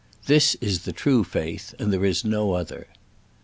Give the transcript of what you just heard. This is the true faith, and there is no other.